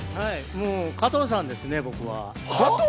加藤さんですね、僕は。